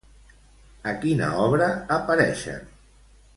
A quina obra apareixen?